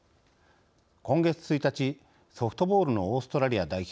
今月１日、ソフトボールのオーストラリア代表